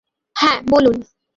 হা, বলুন।